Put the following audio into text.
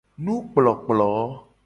Nukplokplo.